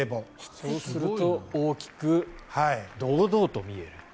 そうすると大きく堂々と見える。